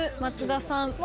松田さん。